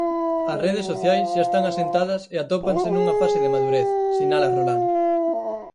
"As redes sociais xa están asentadas e atópanse nunha fase de madurez", sinala Rolán.